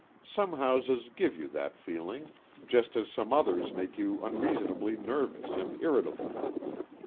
Some houses give you that feeling, just as some others make you unreasonably nervous and irritable.